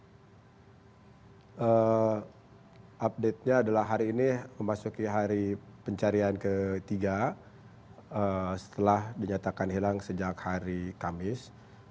update nya adalah hari ini memasuki hari pencarian ketiga setelah dinyatakan hilang sejak hari kamis